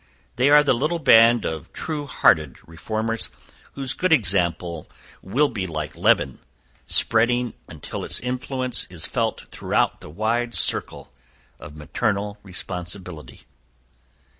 They are the little band of true hearted reformers, whose good example will be like leaven, spreading until its influence is felt throughout the wide circle of maternal responsibility."